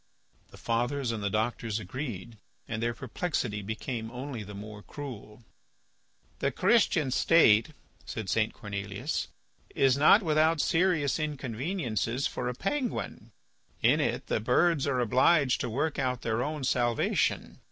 The fathers and the doctors agreed, and their perplexity became only the more cruel. "The Christian state," said St. Cornelius, "is not without serious inconveniences for a penguin. In it the birds are obliged to work out their own salvation.